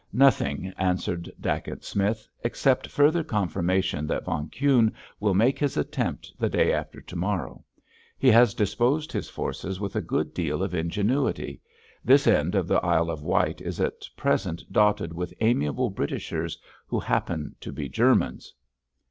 "Nothing," answered Dacent Smith, "except further confirmation that von Kuhne will make his attempt the day after to morrow. He has disposed his forces with a good deal of ingenuity. This end of the Isle of Wight is at present dotted with amiable Britishers who happen to be Germans!"